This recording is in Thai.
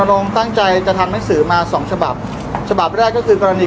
พี่แจงในประเด็นที่เกี่ยวข้องกับความผิดที่ถูกเกาหา